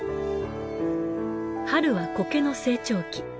春は苔の成長期。